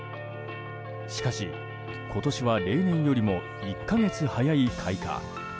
しかし、今年は例年よりも１か月早い開花。